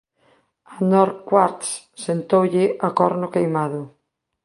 A Nor Kvarts sentoulle a corno queimado.